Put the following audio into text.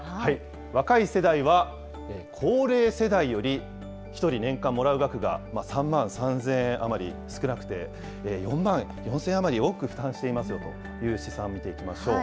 若い世代は、高齢世代より、１人年間もらう額が３万３０００円余り少なくて、４万４０００円余り多く負担していますよという試算見ていきましょう。